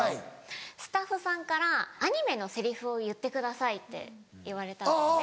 スタッフさんからアニメのセリフを言ってくださいって言われたんですね。